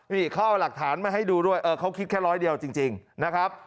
นี่เขาเอาหลักฐานมาให้ดูด้วยเออเขาคิดแค่ร้อยเดียวจริงนะครับ